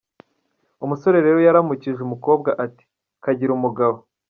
Umusore rero yaramukije umukobwa ati “kagire umugabo”.